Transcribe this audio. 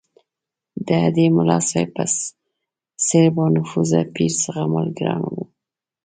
د هډې ملاصاحب په څېر بانفوذه پیر زغمل ګران وو.